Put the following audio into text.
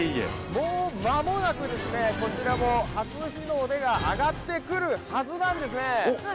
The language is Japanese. もう間もなくこちらも初日の出が上がってくるはずなんですね。